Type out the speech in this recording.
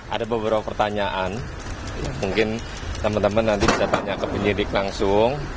ada beberapa pertanyaan mungkin teman teman nanti bisa tanya ke penyidik langsung